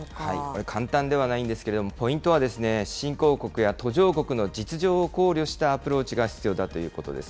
これ、簡単ではないんですけれども、ポイントは、新興国や途上国の実情を考慮したアプローチが必要だということです。